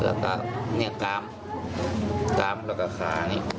แล้วก็เนี่ยตามแล้วก็ขานี่